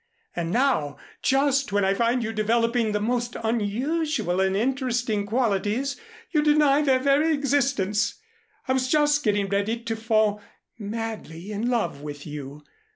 And now, just when I find you developing the most unusual and interesting qualities, you deny their very existence! I was just getting ready to fall madly in love with you.